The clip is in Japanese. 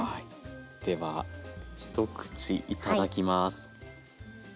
では一口いただきます。